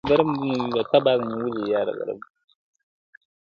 د هر خره به ورته جوړه وي لغته -